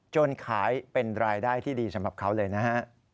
ขายเป็นรายได้ที่ดีสำหรับเขาเลยนะฮะ